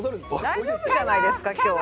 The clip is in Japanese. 大丈夫じゃないですか今日は。